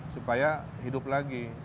supaya hidup lagi